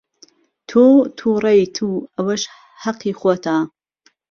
تۆ تووڕەیت و ئەوەش هەقی خۆتە.